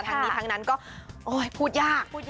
ทั้งนี้ทั้งนั้นก็พูดยาก